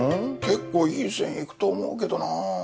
結構いい線いくと思うけどなぁ。